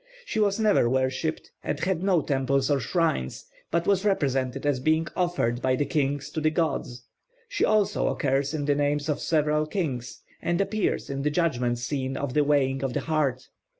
She was never worshipped, and had no temples or shrines, but was represented as being offered by the kings to the gods. She also occurs in the names of several kings, and appears in the judgment scene of the weighing of the heart.